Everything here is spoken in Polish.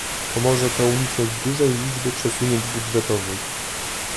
Pomoże to uniknąć dużej liczby przesunięć budżetowych